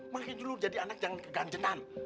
makanya dulu jadi anak jangan kegancenan